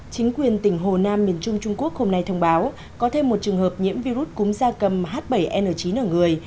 chính quyền tỉnh hồ nam miền trung trung quốc hôm nay thông báo có thêm một trường hợp nhiễm virus cúm da cầm h bảy n chín ở người